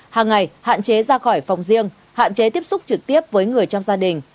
hàng ngày hạn chế ra khỏi phòng riêng hạn chế tiếp xúc trực tiếp với người trong gia đình